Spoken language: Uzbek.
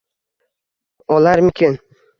Olarmikin